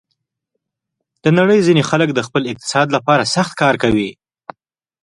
د نړۍ ځینې خلک د خپل اقتصاد لپاره سخت کار کوي.